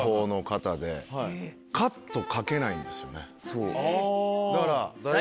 そう。